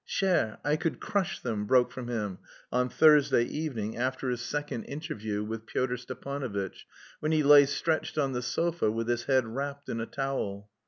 "Cher, I could crush them!" broke from him on Thursday evening after his second interview with Pyotr Stepanovitch, when he lay stretched on the sofa with his head wrapped in a towel.